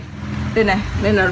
cái này là nó là